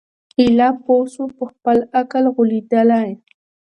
ایله پوه سو په خپل عقل غولیدلی